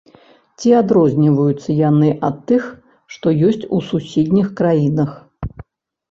Ці адрозніваюцца яны ад тых, што ёсць у суседніх краінах?